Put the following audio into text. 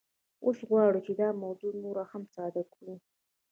اوس غواړو چې دا موضوع نوره هم ساده کړو